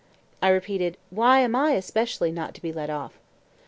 I repeated, Why am I especially not to be let off?